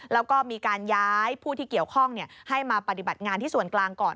แล้วก็มีการย้ายผู้ที่เกี่ยวข้องให้มาปฏิบัติงานที่ส่วนกลางก่อน